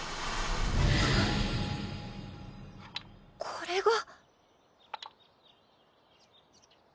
これが。